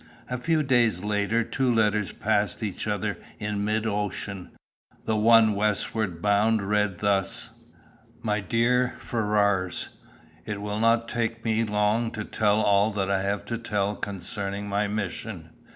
A few days later two letters passed each other in mid ocean. The one westward bound read thus: "MY DEAR FERRARS, It will not take me long to tell all that I have to tell concerning my mission.